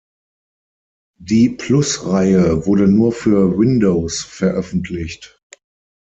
Die Plus-Reihe wurde nur für Windows veröffentlicht.